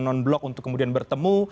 non blok untuk kemudian bertemu